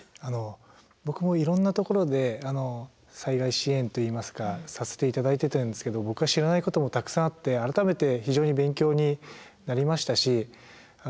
僕もいろんなところで災害支援といいますかさせて頂いてたんですけど僕が知らないこともたくさんあって改めて非常に勉強になりましたし。